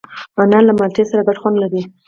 انار له مالټې سره ګډ خوند لري.